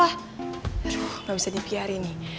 aduh gak bisa dipiarin nih